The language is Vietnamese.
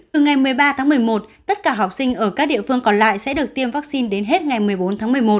từ ngày một mươi ba tháng một mươi một tất cả học sinh ở các địa phương còn lại sẽ được tiêm vaccine đến hết ngày một mươi bốn tháng một mươi một